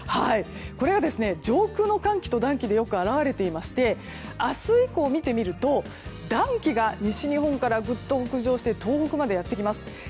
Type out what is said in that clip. これが上空の寒気と暖気でよく表れていまして明日以降、見てみると暖気が西日本からぐっと北上して東北までやってきます。